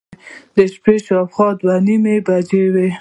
د شپې شاوخوا دوه نیمې بجې وې.